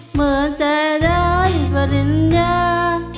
เหมือนจะได้ปริญญา